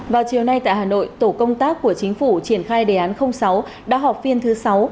vào chiều nay tại hà nội tổ công tác của chính phủ triển khai đề án sáu đã họp phiên thứ sáu